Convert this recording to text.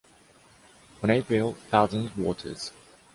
On April, thousand waters.